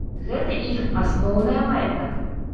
Гэта іх асноўная мэта.